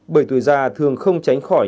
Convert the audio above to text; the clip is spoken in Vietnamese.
bởi tuổi già thường không tránh khỏi